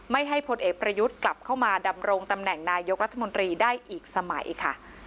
ให้พลเอกประยุทธ์กลับเข้ามาดำรงตำแหน่งนายกรัฐมนตรีได้อีกสมัยค่ะ